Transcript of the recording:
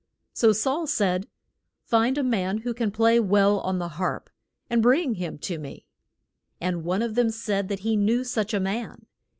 So Saul said, Find a man who can play well on the harp, and bring him to me. And one of them said that he knew such a man.